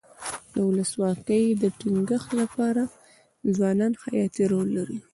د ولسواکۍ د ټینګښت لپاره ځوانان حیاتي رول لري.